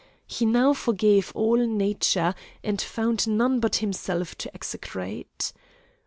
He now forgave all nature, and found none but himself to execrate.